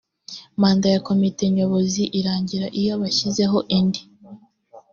manda ya komite nyobozi irangira iyo bashyizeho indi